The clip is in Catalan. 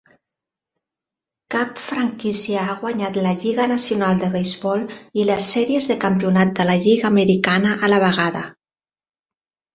Cap franquícia ha guanyat la Lliga Nacional de Beisbol i les Sèries de Campionat de la Lliga Americana a la vegada.